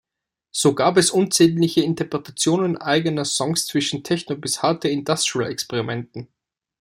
So gab es unzählige Interpretationen eigener Songs zwischen Techno bis harten Industrial-Experimenten.